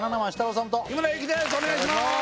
お願いします